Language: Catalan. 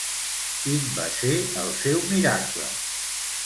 Quin va ser el seu miracle?